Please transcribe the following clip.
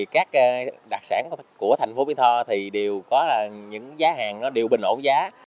các đặc sản của thành phố bí tho đều có những giá hàng đều bình ổn giá